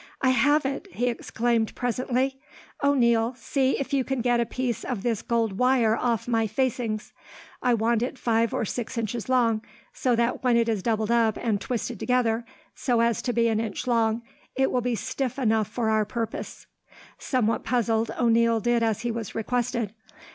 "I have it!" he exclaimed, presently. "O'Neil, see if you can get a piece of this gold wire off my facings. I want it five or six inches long, so that when it is doubled up and twisted together, so as to be an inch long, it will be stiff enough for our purpose." Somewhat puzzled, O'Neil did as he was requested.